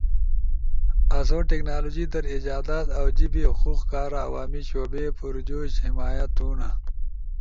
آسو ٹیکنالوجی در ایجادات اؤ جیبے حقوق کارا عوامی شعبے پرجوش حمایت تھون